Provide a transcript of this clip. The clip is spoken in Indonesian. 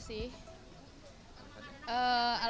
pertanyaan dari pemprov dki jakarta